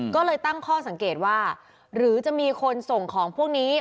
ก็เลยตั้งข้อสังเกตว่าหรือจะมีคนส่งของพวกนี้